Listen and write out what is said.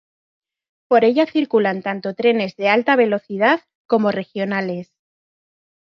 Por ella circulan tanto trenes de alta velocidad como regionales.